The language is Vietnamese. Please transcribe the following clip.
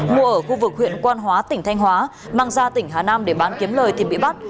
mua ở khu vực huyện quan hóa tỉnh thanh hóa mang ra tỉnh hà nam để bán kiếm lời thì bị bắt